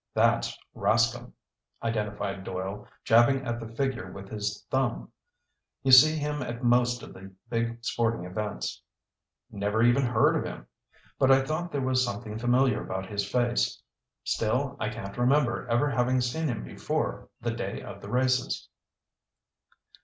"That's Rascomb," identified Doyle, jabbing at the figure with his thumb. "You see him at most of the big sporting events." "Never even heard of him. But I thought there was something familiar about his face! Still, I can't remember ever having seen him before the day of the races."